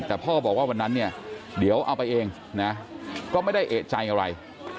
แต่พ่อบอกว่าวันนั้นเนี่ยเดี๋ยวเอาไปเองนะก็ไม่ได้เอกใจอะไร